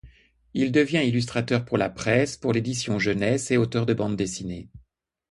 Il devient illustrateur pour la presse, pour l'édition jeunesse et auteur de bande dessinée.